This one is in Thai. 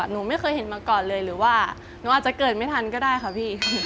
หนูไม่เคยเห็นมาก่อนเลยหรือว่าหนูอาจจะเกิดไม่ทันก็ได้ค่ะพี่